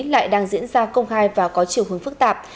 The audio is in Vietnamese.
lại đang diễn ra công khai và có chiều hướng phức tạp